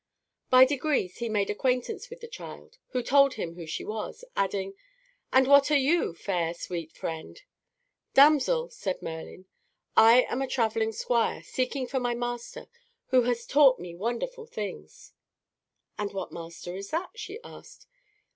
By degrees he made acquaintance with the child, who told him who she was, adding, "And what are you, fair, sweet friend?" "Damsel," said Merlin, "I am a travelling squire, seeking for my master, who has taught me wonderful things." "And what master is that?" she asked.